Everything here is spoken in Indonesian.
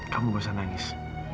kamu gak usah nangis